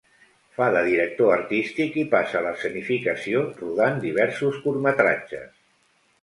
Fa de director artístic i passa a l'escenificació rodant diversos curtmetratges.